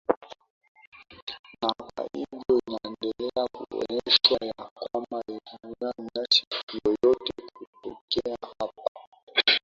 na kwa hivyo inaendelea kuonyesha ya kwamba hitakubali ghasia yoyote kutokea hapa